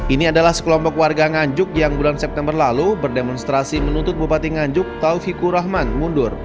ini adalah sekelompok warga nganjuk yang bulan september lalu berdemonstrasi menuntut bupati nganjuk taufikur rahman mundur